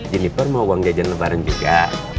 jenniper mau uang jajan lebaran juga